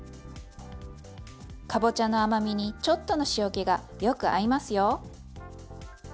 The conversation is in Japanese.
かぼちゃの甘みにちょっとの塩気がよく合いますよ。